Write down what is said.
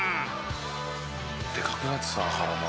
「でかくなってたな体も」